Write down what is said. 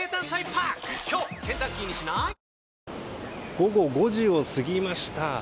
午後５時を過ぎました。